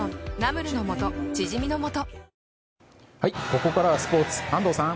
ここからはスポーツ安藤さん。